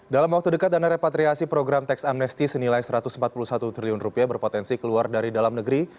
dalam waktu dekat dana repatriasi program tax amnesti senilai rp satu ratus empat puluh satu triliun berpotensi keluar dari dalam negeri